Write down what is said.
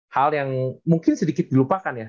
hal yang mungkin sedikit dilupakan ya